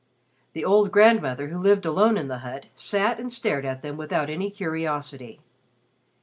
The old grandmother who lived alone in the hut sat and stared at them without any curiosity.